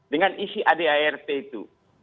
dengan isi adart itu